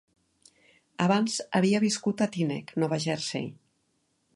Abans havia viscut a Teaneck, Nova Jersey.